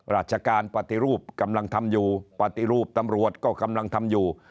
ราชการปฏิรูปกำลังทำอยู่ปฏิรูปตำรวจก็กำลังทำอยู่